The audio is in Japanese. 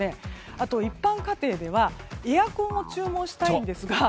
あと一般家庭ではエアコンを注文したいんですが